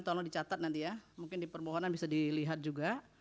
tolong dicatat nanti ya mungkin di permohonan bisa dilihat juga